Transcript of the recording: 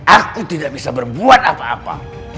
aku tidak bisa berbuat apa apa